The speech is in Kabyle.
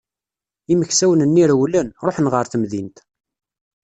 Imeksawen-nni rewlen, ṛuḥen ɣer temdint.